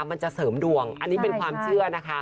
มันจะเสริมดวงอันนี้เป็นความเชื่อนะคะ